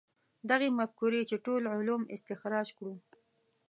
دغې مفکورې چې ټول علوم استخراج کړو.